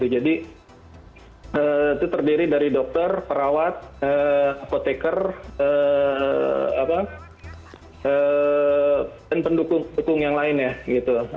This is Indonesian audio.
jadi itu terdiri dari dokter perawat apoteker dan pendukung yang lainnya